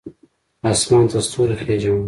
اسمان ته ستوري خیژوم